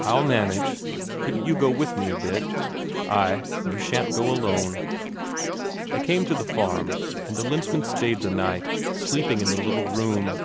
"I'll manage. Couldn't you go with me a bit?" "Ay; you shan't go alone." They came to the farm, and the Lensmand stayed the night, sleeping in the little room.